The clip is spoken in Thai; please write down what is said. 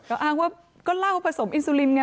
ก็อ้างว่าก็เหล้าผสมอินซูลิมไง